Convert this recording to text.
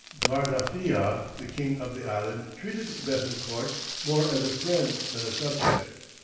Guardafia, the king of the island, treated Béthencourt more as a friend than a subject.